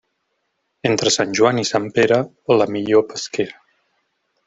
Entre Sant Joan i Sant Pere, la millor pesquera.